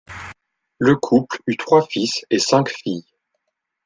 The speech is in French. Le couple eut trois fils et cinq filles.